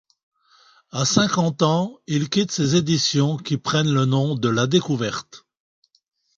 À cinquante ans, il quitte ses éditions qui prennent le nom de La Découverte.